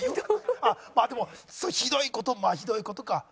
あっまあでもひどい事まあひどい事か。